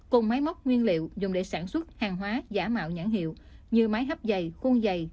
cùng máy móc nguyên liệu dùng để sản xuất hàng hóa giả mạo nhãn hiệu như máy hấp dày khuôn dày